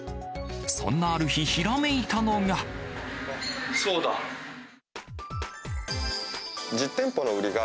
そんなある日、ひらめいたのが。